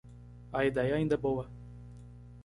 A ideia ainda é boa.